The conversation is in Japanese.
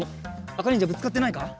あかにんじゃぶつかってないか？